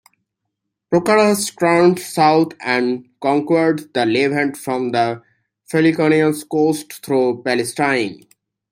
Pacorus turned south and conquered the Levant from the Phoenician coast through Palestine.